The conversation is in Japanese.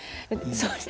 そうですね。